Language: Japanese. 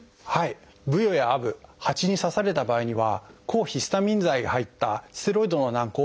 ブヨやアブハチに刺された場合には抗ヒスタミン剤が入ったステロイドの軟こうを塗るとよいです。